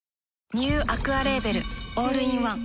ニューアクアレーベルオールインワン